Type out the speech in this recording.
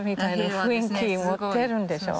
雰囲気持ってるでしょ？